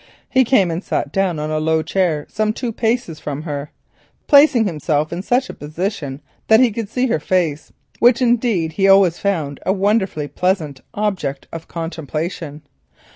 He came and sat down on a low chair some two paces from her, placing himself in such a position that he could see her face, which indeed he always found a wonderfully pleasant object of contemplation.